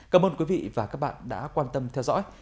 cảm ơn quý vị và các bạn đã quan tâm theo dõi